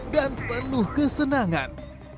dan penuh kesenangan